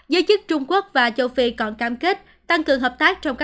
giới chức trung quốc và châu phi còn cam kết tăng cường hợp tác